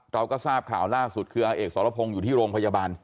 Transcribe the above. เราก็ทราบข่าวล่าสุดคืออาเอกสรพงศ์อยู่ที่โรงพยาบาล